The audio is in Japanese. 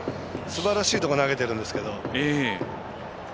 すばらしいところ投げてるんですけど。